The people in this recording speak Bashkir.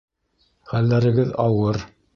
...Хәлдәрегеҙ ауыр